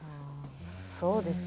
そうですね。